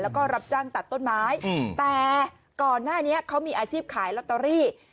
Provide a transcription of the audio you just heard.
แล้วก็รับจ้างตัดต้นไม้แต่ก่อนหน้านี้เขามีอาชีพขายลอตเตอรี่